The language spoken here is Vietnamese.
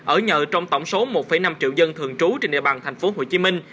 ở nhờ trong tổng số một năm triệu dân thường trú trên địa bàn tp hcm